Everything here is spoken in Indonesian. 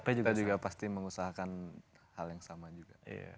tapi juga pasti mengusahakan hal yang sama juga